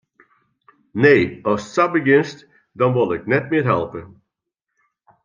Nee, ast sa begjinst, dan wol ik net mear helpe.